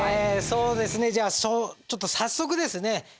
そうですねじゃあちょっと早速ですね